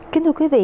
kính thưa quý vị